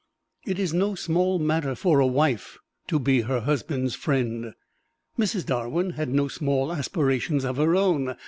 It is no small matter for a wife to be her husband's friend. Mrs. Darwin had no small aspirations of her own.